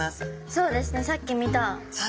そうですねさっき見た。